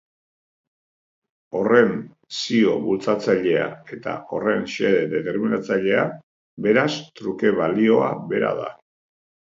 Horren zio bultzatzailea eta horren xede determinatzailea, beraz, truke-balioa bera da.